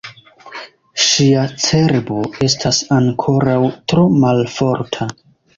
Ŝia cerbo estas ankoraŭ tro malforta.